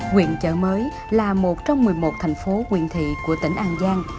quyện chợ mới là một trong một mươi một thành phố quyền thị của tỉnh an giang